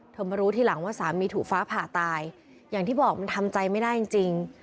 มารู้ทีหลังว่าสามีถูกฟ้าผ่าตายอย่างที่บอกมันทำใจไม่ได้จริงจริง